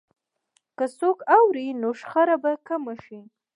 که څوک اوري، نو شخړه به کمه شي.